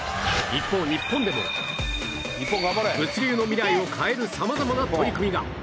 一方日本でも物流の未来を変える様々な取り組みが